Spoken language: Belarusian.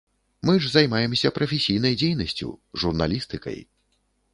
Мы ж займаемся прафесійнай дзейнасцю, журналістыкай.